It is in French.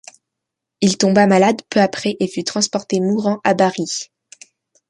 Il tomba malade peu après et fut transporté mourant à Bari.